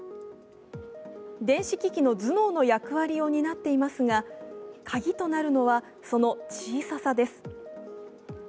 電子機器の頭脳の役割を担っていますが、カギとなるのはその小ささです。